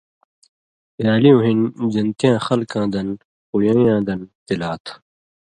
پیالیُوں ہِن (جنتیاں خلکاں دن پُویَئیں یاں دن تِلا تھہ)۔